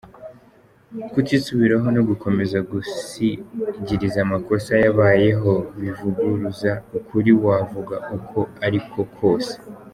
Kutisubiraho no gukomeza gusigiriza amakosa yabayeho bivuguruza ukuri wavuga uko ari ko kose.